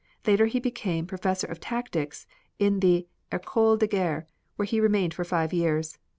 Later he became Professor of Tactics in the Ecole de Guerre, where he remained for five years.